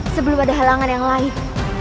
sebelum ada halangan yang lain